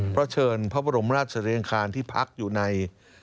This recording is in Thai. เผื่อเชิญพระบรมราชสรีอังคารที่พักอยู่ใน